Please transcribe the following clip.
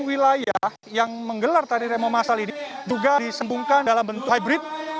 wilayah yang menggelar tadi remo masal ini juga disembungkan dalam bentuk hybrid